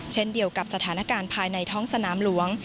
เช่นเดียวกับสถานการณ์ภายในท้องสนามหลวง